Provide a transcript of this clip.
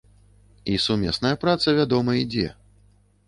І сумесная праца, вядома, ідзе.